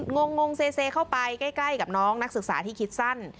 งงเซเข้าไปใกล้กับน้องนักศึกษาที่คิดสั้น